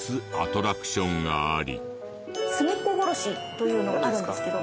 というのがあるんですけど。